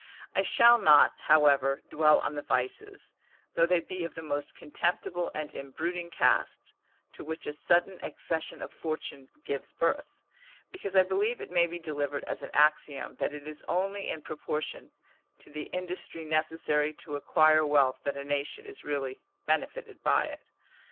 I shall not, however, dwell on the vices, though they be of the most contemptible and embruting cast, to which a sudden accession of fortune gives birth, because I believe it may be delivered as an axiom, that it is only in proportion to the industry necessary to acquire wealth that a nation is really benefited by it.